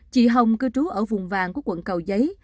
chị hồng cư trú ở vùng vàng của quận cầu giấy